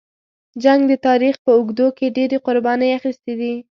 جنګ د تاریخ په اوږدو کې ډېرې قربانۍ اخیستې دي.